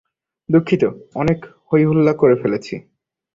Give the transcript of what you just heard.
দুঃখিত, অনেক হইহল্লা করে ফেলেছি।